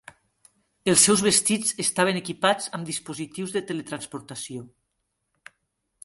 Els seus vestits estaven equipats amb dispositius de teletransportació.